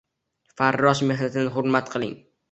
Farrosh mehnatini hurmat qiling.